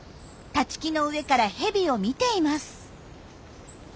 立木の上からヘビを見ています。